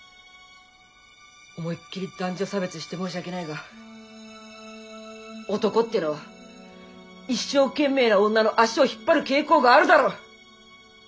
思いっきり男女差別して申し訳ないが男ってのは一生懸命な女の足を引っ張る傾向があるだろ。